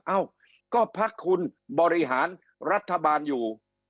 เอ้าก็พักคุณบริหารรัฐบาลอยู่